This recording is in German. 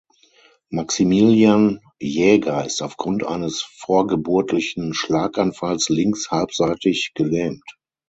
Maximilian Jäger ist aufgrund eines vorgeburtlichen Schlaganfalls links halbseitig gelähmt.